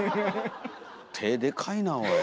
手でかいなおい。